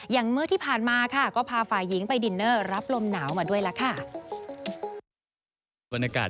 เมื่อที่ผ่านมาค่ะก็พาฝ่ายหญิงไปดินเนอร์รับลมหนาวมาด้วยล่ะค่ะ